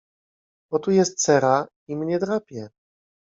— Bo tu jest cera i mnie drapie.